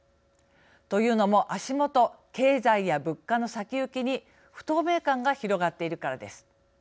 というのも足元経済や物価の先行きに不透明感が広がっているからです。